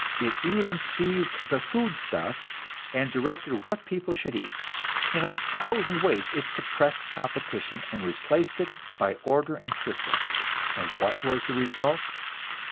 It even seized the foodstuffs and directed what people should eat. In a thousand ways it suppressed competition and replaced it by order and system. And what was the result?